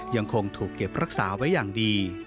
ยังคงถูกเก็บรักษาไว้อย่างดี